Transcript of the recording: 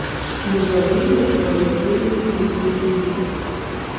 Не забылі на сваю трагедыю і бельгійцы.